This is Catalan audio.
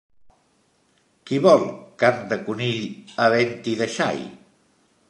Qui vol carn de conill, havent-hi de xai?